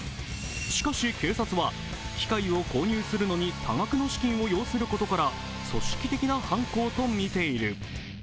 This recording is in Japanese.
しかし、警察は機械を購入するのに多額の資金を要することから組織的な犯行とみている。